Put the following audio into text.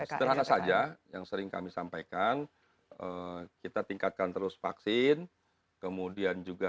sederhana saja yang sering kami sampaikan kita tingkatkan terus vaksin kemudian juga